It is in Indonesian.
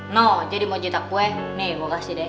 no jadi mau jetak kue nih gue kasih deh